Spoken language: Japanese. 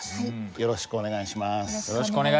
よろしくお願いします。